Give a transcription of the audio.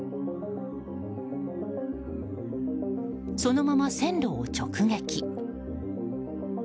そのまま線路を直撃。